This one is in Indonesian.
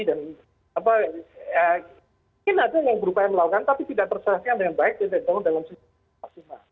dan apa ini ada yang berupaya melakukan tapi tidak terserahkan dengan baik di dalam sistem paksimal